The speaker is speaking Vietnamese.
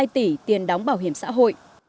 tỷ tiền đóng bảo hiểm xã hội